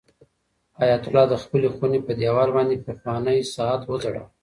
حیات الله د خپلې خونې په دېوال باندې پخوانی ساعت وځړاوه.